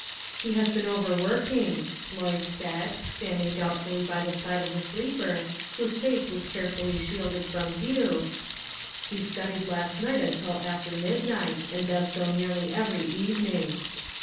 " Pie has been overworking," Lloyd said, standing doubtfully by the side of the sleeper, whose face was carefully shielded from view. " He studied last night until after midnight, and does so nearly every evening."